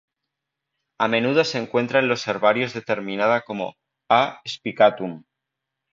A menudo se encuentra en los herbarios determinada como "A. spicatum".